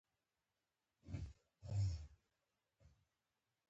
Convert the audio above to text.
بیخي د ټپې نه و غورځېد.